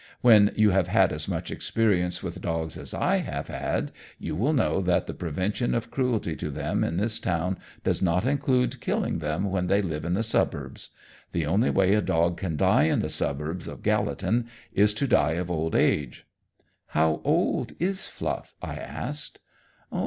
When you have had as much experience with dogs as I have had you will know that the Prevention of Cruelty to them in this town does not include killing them when they live in the suburbs. The only way a dog can die in the suburbs of Gallatin is to die of old age." "How old is Fluff?" I asked.